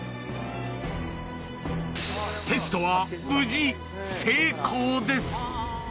テストは無事、成功です。